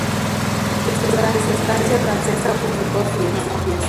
Durante su estancia francesa publicó sus memorias.